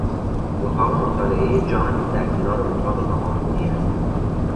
اتاق مطالعهی جان در کنار اتاق ناهار خوری است.